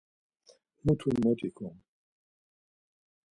Mutu mot ikom!